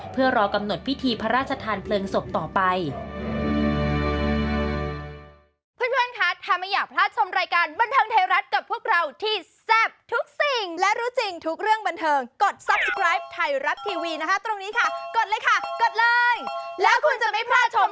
เพื่อรอกำหนดพิธีพระราชทานเพลิงศพต่อไป